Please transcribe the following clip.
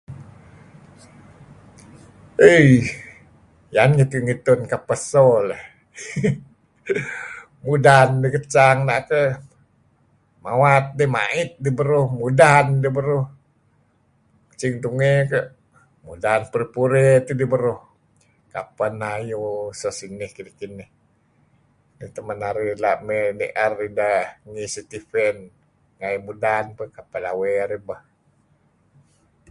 Eiiy. Ian ngitun-ngitun kapeh eso leyh. Mudan lekecang na'eh keyh, mawat dih, ma'it dih beruh, mudan dih beruh. Mecing tungey keh mudan puye-purey tdih beruh. Kapeh neh ayu so sinih kinih-kinih. Nih temen narih la' mey ni'er ideh noi City Beng. Nga' mudan iih Kapeh lawey arih peh.